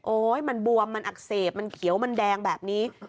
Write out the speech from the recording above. มันบวมมันอักเสบมันเขียวมันแดงแบบนี้